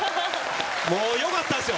もうよかったですよ。